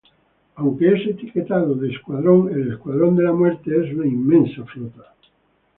Aunque es etiquetado de escuadrón, el Escuadrón de la Muerte es una inmensa flota.